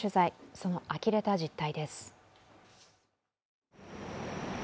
そのあきれた実態です。